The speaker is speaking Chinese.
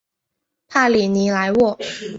帕里尼莱沃。